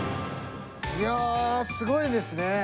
いやすごいですね。